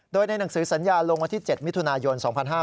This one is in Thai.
โดยในหนังสือสัญญาลงวันที่๗มิถุนายน๒๕๕๙